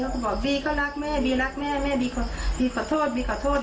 แล้วก็บอกบีก็รักแม่บีรักแม่แม่บีขอโทษบีขอโทษ